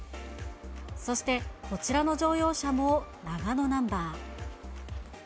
そしてこちらの乗用車も長野ナンバー。